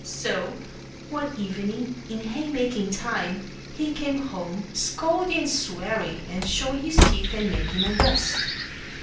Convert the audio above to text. So, one evening, in haymaking time, he came home, scolding and swearing, and showing his teeth and making a dust.